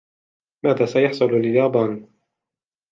ماذا سيحصل لليابان ؟